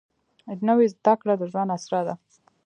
نوې زده کړه د ژوند اسره ده